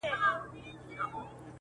د خېره دي بېزاره يم، سپي دي در گرځوه.